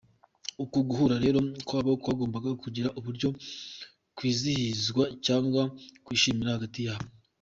Uku guhura rero kwabo kwagombaga kugira uburyo kwizihizwa cyangwa kwishimirwa hagati yabo.